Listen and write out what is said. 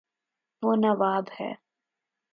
وہ نواب ہے